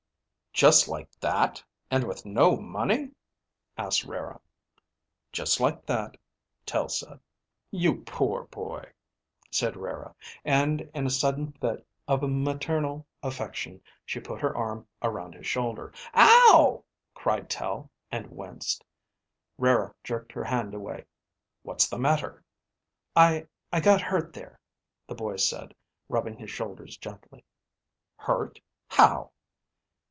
"Just like that, and with no money?" asked Rara. "Just like that," Tel said. "You poor boy," said Rara, and in a sudden fit of maternal affection, she put her arm around his shoulder. "Ow!" cried Tel, and winced. Rara jerked her hand away. "What's the matter?" "I ... I got hurt there," the boy said, rubbing his shoulders gently. "Hurt? How?"